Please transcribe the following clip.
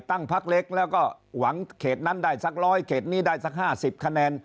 ตั้งพักเล็กแล้วก็หวังเขตนั้นได้สักร้อยเขตนี้ได้สัก๕๐คะแนน